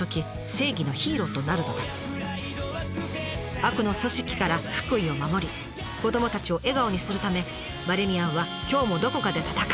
悪の組織から福井を守り子どもたちを笑顔にするためバレミアンは今日もどこかで戦う。